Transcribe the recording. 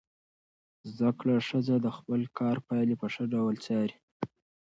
زده کړه ښځه د خپل کار پایلې په ښه ډول څاري.